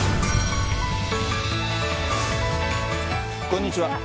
こんにちは。